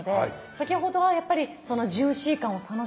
先ほどはやっぱりそのジューシー感を楽しむ。